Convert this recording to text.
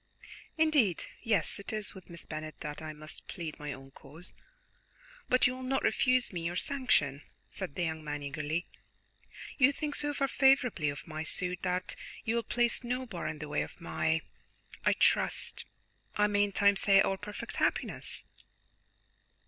"Indeed, yes, it is with Miss Bennet that I must plead my own cause; but you will not refuse me your sanction?" said the young man, eagerly. "You think so far favourably of my suit that you will place no bar in the way of my I trust I may in time say our perfect happiness?"